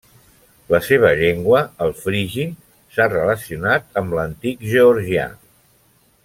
La seva llengua, el frigi, s'ha relacionat amb l'antic georgià.